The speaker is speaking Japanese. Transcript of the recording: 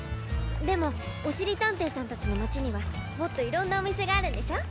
でもおしりたんていさんたちのまちにはもっといろんなおみせがあるんでしょう？